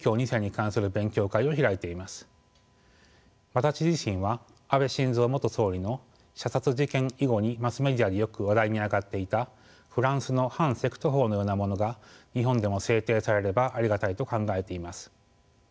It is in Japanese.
私自身は安倍晋三元総理の射殺事件以後にマスメディアでよく話題に上がっていたフランスの反セクト法のようなものが日本でも制定されればありがたいと考えています。